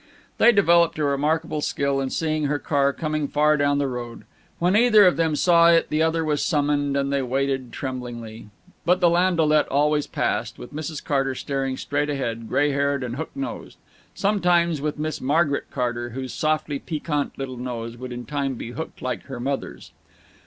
They developed a remarkable skill in seeing her car coming far down the road. When either of them saw it the other was summoned, and they waited tremblingly. But the landaulet always passed, with Mrs. Carter staring straight ahead, gray haired and hook nosed; sometimes with Miss Margaret Carter, whose softly piquant little nose would in time be hooked like her mother's.